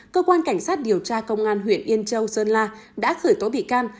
cơ quan cảnh sát điều tra công an huyện yên châu sơn la đã khởi tố bị can